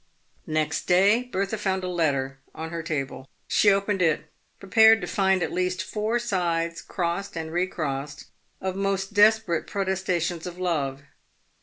Next day Bertha found a letter on her table'. She opened it, pre pared to find at least four sides — crossed and recrossed — of most desperate protestations of love.